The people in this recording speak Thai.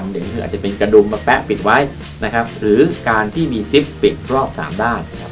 หนึ่งคืออาจจะเป็นกระดุมมาแป๊ะปิดไว้นะครับหรือการที่มีซิปปิดรอบ๓ด้านนะครับ